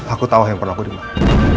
aku tau handphone aku dimana